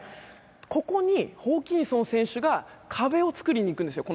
ここにホーキンソン選手が壁を作りに行くんですよ。